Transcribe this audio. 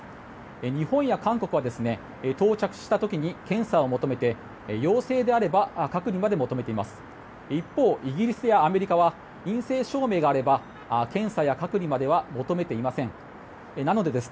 日本や韓国は、到着した時に検査を求めて、陽性であれば隔離まで求めています。